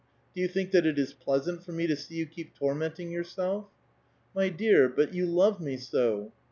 do you think that it is pleasant for me to see you keep tormenting yourself ?"" My dear,^ but you love me so